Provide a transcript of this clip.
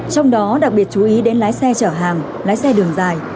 trong đó đặc biệt chú ý đến lái xe chở hàng lái xe đường dài